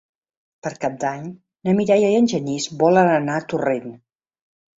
Per Cap d'Any na Mireia i en Genís volen anar a Torrent.